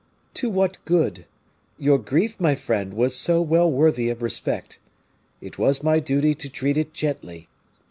"To what good? Your grief, my friend, was so well worthy of respect. It was my duty to treat it gently.